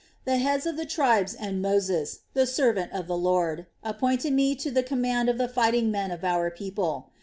The heads of the tribes and Moses, the servant of the Lord, appointed me to the command of the fighting men of our people.